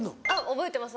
覚えてます